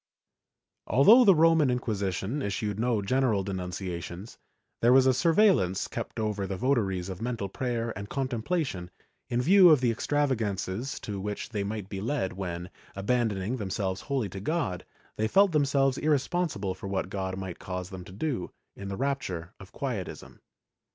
^ Although the Roman Inquisition issued no general denuncia tions, there was a surveillance kept over the votaries of mental prayer and contemplation, in view of the extravagances to which they might be led when, abandoning themselves wholly to God, they felt themselves irresponsible for what God might cause them to do, in the rapture of Quietism.